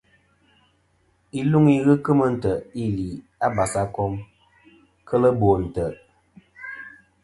Iluŋ i ghɨ kemɨ ntè' ili a basakom kel bo ntè'.